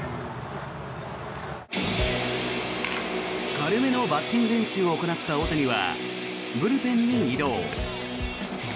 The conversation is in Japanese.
軽めのバッティング練習を行った大谷はブルペンに移動。